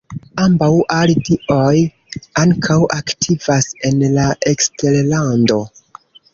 Ambaŭ Aldi-oj ankaŭ aktivas en la eksterlando.